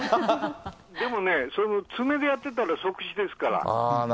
でもね、それも爪でやってたら即死ですから。